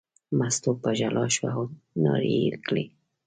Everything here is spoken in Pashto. مستو په ژړا شوه او نارې یې کړې.